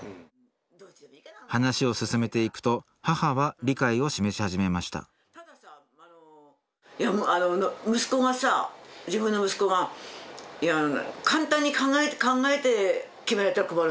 話を進めていくと母は理解を示し始めました息子がさ自分の息子が簡単に考えて決められたら困るのよ。